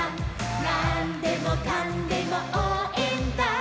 「なんでもかんでもおうえんだ！！」